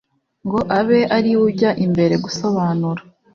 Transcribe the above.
ngo abe ari we ujya imbere gusobanura